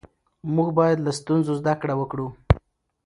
موږ باید له ستونزو زده کړه وکړو